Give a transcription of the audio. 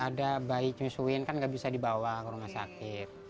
ada bayi nyusuin kan nggak bisa dibawa ke rumah sakit